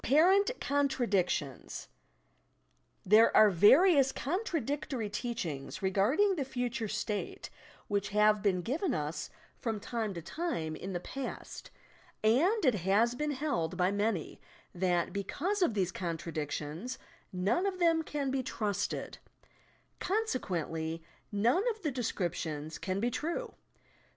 APPARENT CONTRADICTIONS There are various contradictory teachings, regarding the future state, which have been given us from time 48 YOUR PSYCHIC POWERS to time in the past, and it has been held by many that, because of thesie contradictions none of them can be trusted; conseqiieutly none of the descriptions can be true!